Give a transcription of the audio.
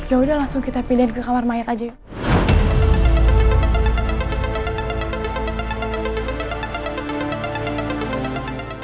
yaudah langsung kita pilihin ke kamar mayat aja yuk